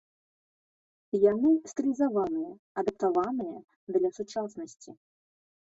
Яны стылізаваныя, адаптаваныя для сучаснасці.